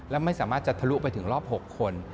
และไม่สามารถจะทะลุไปถึงรอบ๖คน